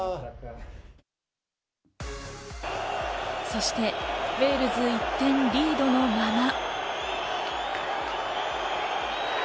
そして、ウェールズ１点リードのまま。